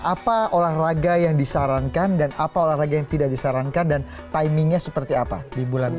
apa olahraga yang disarankan dan apa olahraga yang tidak disarankan dan timingnya seperti apa di bulan ini